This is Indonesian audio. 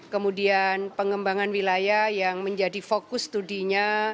kemudian pengembangan wilayah yang menjadi fokus studinya